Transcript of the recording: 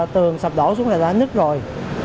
tường sập đổ xuống là đã nứt rồi